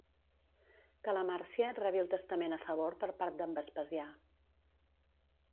Que la Màrcia rebi el testament a favor per part d'en Vespasià.